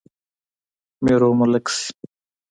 میرو ملک سي